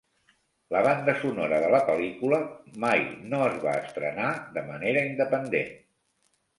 La banda sonora de la pel·lícula mai no es va estrenar de manera independent.